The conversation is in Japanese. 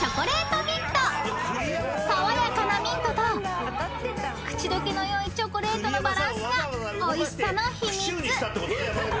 ［爽やかなミントと口溶けの良いチョコレートのバランスがおいしさの秘密］